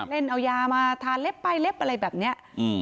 เล่นเอายามาทานเล็บไปเล็บอะไรแบบนี้